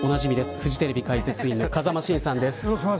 フジテレビ解説委員の風間晋さんです。